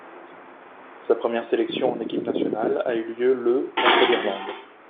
Sa première sélection en équipe nationale a eu lieu le contre l'Irlande.